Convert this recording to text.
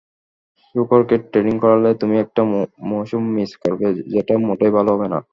শূকরকে ট্রেনিং করালে তুমি একটা মৌসুম মিস করবে, যেটা মোটেই ভালো হবে না?